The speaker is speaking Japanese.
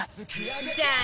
さあ